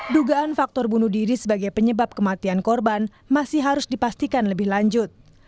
dugaan faktor bunuh diri sebagai penyebab kematian korban masih harus dipastikan lebih lanjut